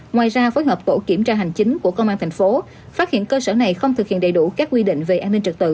ngoài ra phối hợp tổ kiểm tra hành chính của công an thành phố phát hiện cơ sở này không thực hiện đầy đủ các quy định về an ninh trật tự